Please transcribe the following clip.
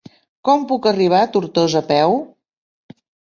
Com puc arribar a Tortosa a peu?